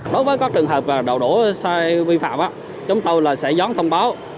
đối với các trường hợp đậu đỗ sai vi phạm chúng tôi sẽ dón thông báo